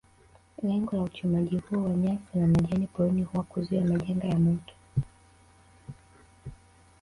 Lengo la uchomaji huo wa nyasi na majani porini huwa kuzuia majanga ya moto